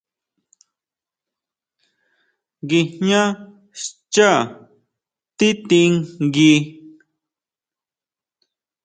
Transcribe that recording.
Guijñá xchá tití ngui.